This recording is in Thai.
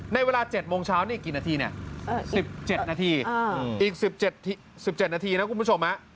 ในเวลา๗โมงเช้านี่กี่นาทีเนี่ย๑๗นาทีอีก๑๗นาทีนะคุณผู้ชม